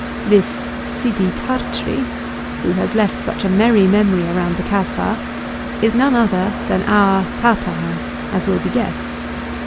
This Sidi Tart'ri, who has left such a merry memory around the Kasbah, is no other than our Tartarin, as will be guessed.